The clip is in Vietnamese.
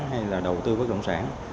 hay là đầu tư bất động sản